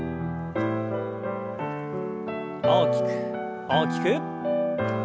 大きく大きく。